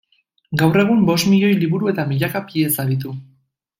Gaur egun, bost milioi liburu eta milaka pieza ditu.